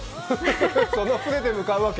その船で向かうわけ？